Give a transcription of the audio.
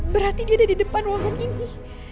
berarti dia ada di depan ruangan ini